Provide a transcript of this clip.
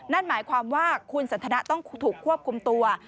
นั่นหมายความว่าคุณสันทนะต้องถูกควบคุมตัว